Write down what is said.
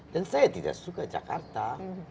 dan saya tidak suka jakarta